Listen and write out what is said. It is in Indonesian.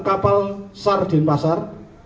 kapal sar denpasar